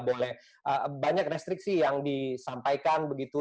boleh banyak restriksi yang disampaikan begitu